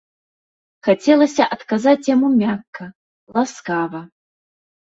Хацелася адказаць яму мякка, ласкава.